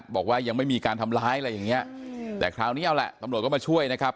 บอกว่ายังไม่มีการทำร้ายอะไรอย่างเงี้ยแต่คราวนี้เอาแหละตำรวจก็มาช่วยนะครับ